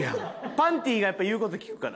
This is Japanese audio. パンティがやっぱ言う事聞くから。